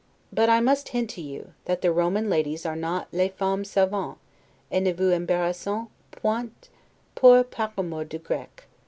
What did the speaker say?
But I must hint to you, that the Roman ladies are not 'les femmes savantes, et ne vous embrasseront point pour Pamour du Grec.